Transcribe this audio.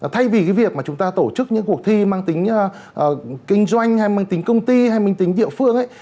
thay vì cái việc mà chúng ta tổ chức những cuộc thi mang tính kinh doanh hay mang tính công ty hay mang tính địa phương ấy